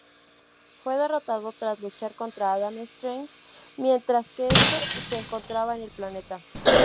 Fue derrotado tras luchar contra Adam Strange mientras este se encontraba en el planeta.